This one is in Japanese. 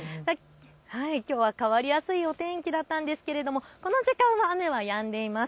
きょうは変わりやすいお天気だったんですがこの時間は雨はやんでいます。